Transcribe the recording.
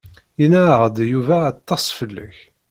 Yenna-aɣ-d Yuba aṭas fell-ak.